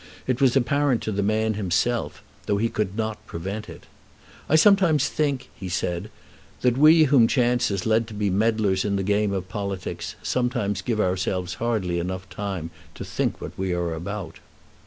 It was apparent to the man himself, though he could not prevent it. "I sometimes think," he said, "that we whom chance has led to be meddlers in the game of politics sometimes give ourselves hardly time enough to think what we are about."